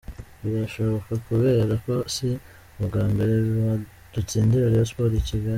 Birashoboka kubera ko si ubwa mbere dutsindira Rayon Sports i Kigali.